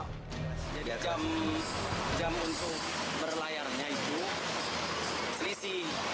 jam untuk berlayarnya itu selisih